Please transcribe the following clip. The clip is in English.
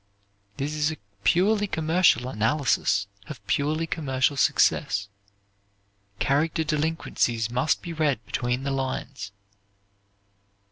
This is a purely commercial analysis of purely commercial success. Character delinquencies must be read between the lines.